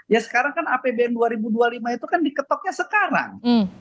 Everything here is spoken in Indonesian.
ya sekarang kan apbn dua ribu dua puluh lima itu kan diketoknya sekarang